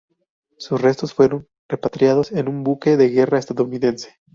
Sus restos fueron repatriados en un buque de guerra estadounidense.